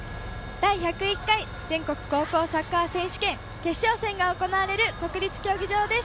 第１０１回全国高校サッカー選手権決勝戦が行われる国立競技場です。